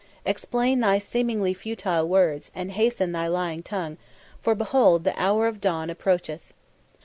Explain thy seemingly futile words, and hasten thy lying tongue, for behold the hour of dawn approacheth."